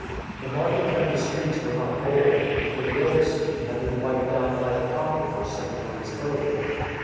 The market and the streets were not old, for the old city had been wiped out by a conqueror centuries earlier.